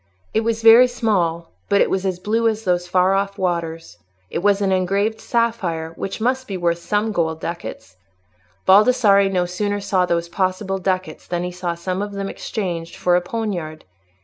It was very small, but it was as blue as those far off waters; it was an engraved sapphire, which must be worth some gold ducats. Baldassarre no sooner saw those possible ducats than he saw some of them exchanged for a poniard.